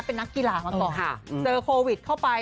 เป็นนักกีฬามาก่อนเจอโควิดเข้าไป